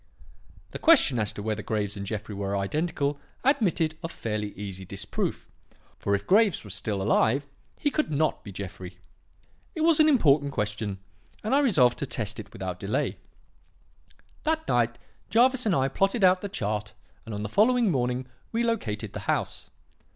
"The question as to whether Graves and Jeffrey were identical admitted of fairly easy disproof; for if Graves was still alive, he could not be Jeffrey. It was an important question and I resolved to test it without delay. That night, Jervis and I plotted out the chart, and on the following morning we located the house.